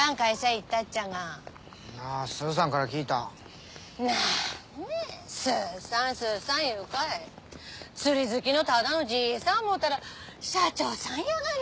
言うかい釣り好きのただのじいさん思うたら社長さんやがね！